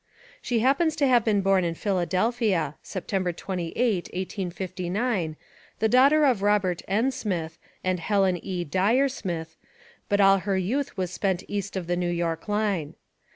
She happens to have been born in Philadelphia, September 28, 1859, the daughter of Robert N. Smith, and Helen E. (Dyer) Smith, but all her youth was spent east of the New York line.